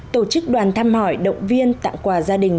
tổ chức đoàn thăm hỏi động viên tặng quà gia đình